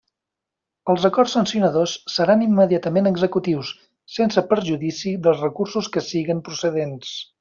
Els acords sancionadors seran immediatament executius, sense perjudici dels recursos que siguen procedents.